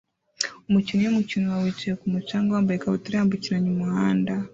Umukinnyi wumukino wa yicaye kumu canga wambaye ikabutura yambukiranya umuhanda